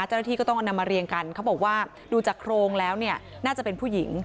เจ้าหน้าที่ก็ต้องเอานำมาเรียงกันเขาบอกว่าดูจากโครงแล้วเนี่ยน่าจะเป็นผู้หญิง